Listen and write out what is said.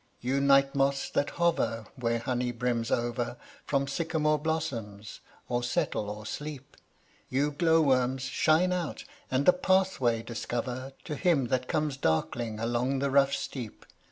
"You night moths that hover where honey brims over From sycamore blossoms, or settle or sleep; You glowworms, shine out, and the pathway discover To him that comes darkling along the rough steep.